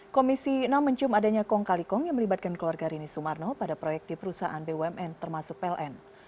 komisi enam mencium adanya kong kali kong yang melibatkan keluarga rini sumarno pada proyek di perusahaan bumn termasuk pln